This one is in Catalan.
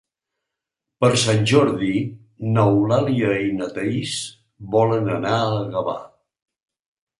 Per Sant Jordi n'Eulàlia i na Thaís volen anar a Gavà.